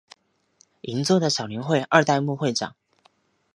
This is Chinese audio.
银座的小林会二代目会长。